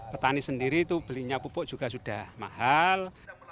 petani sendiri itu belinya pupuk juga sudah mahal